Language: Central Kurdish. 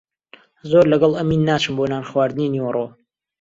زۆر لەگەڵ ئەمین ناچم بۆ نانخواردنی نیوەڕۆ.